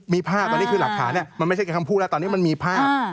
มีภาพตอนนี้คือหลักฐานมันไม่ใช่แค่คำพูดแล้วตอนนี้มันมีภาพ